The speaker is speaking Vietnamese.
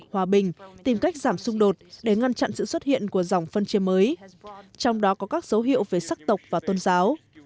hòa bình tìm cách giảm xung đột để ngăn chặn sự xuất hiện của dòng phân chia mới trong đó có các dấu hiệu về sắc tộc và tôn giáo